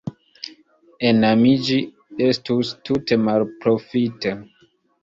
Enamiĝi estus tute malprofite.